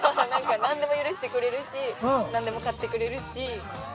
何でも許してくれるし、何でも買ってくれるし。